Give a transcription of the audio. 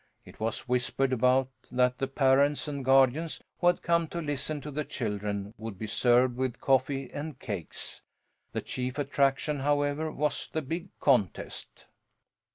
It was whispered about that the parents and guardians who had come to listen to the children would be served with coffee and cakes. The chief attraction, however, was the big contest.